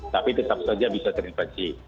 tapi tetap saja bisa terinfeksi